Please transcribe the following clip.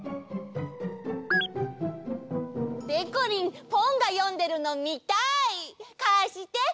でこりんポンがよんでるのみたい！かして。